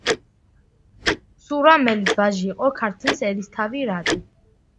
სურამელის ვაჟი იყო ქართლის ერისთავი რატი.